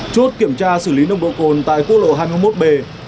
chốt kiểm tra xử lý nông độ cồn tại cuốc lộ hai mươi một b